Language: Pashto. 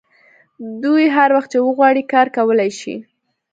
دوی هر وخت چې وغواړي کار کولی شي